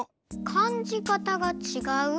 かんじかたがちがう？